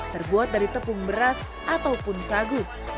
terbuat dari tepung beras ataupun sagu